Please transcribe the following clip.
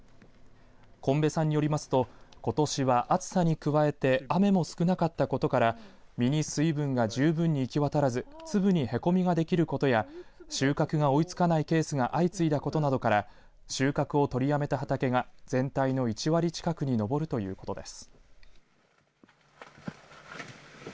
今部さんよりますとことしは暑さに加えて雨も少なかったことから実に水分が十分に行き渡らず粒にへこみができることや収穫が追いつかないケースが相次いだことなどから収穫を取りやめた畑が全体の１割近くに上るということです。